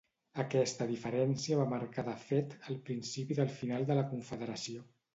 Aquesta diferència va marcar de fet el principi del final de la confederació.